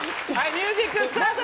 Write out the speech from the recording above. ミュージックスタート！